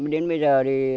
đến bây giờ